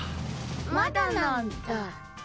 まだなんだ。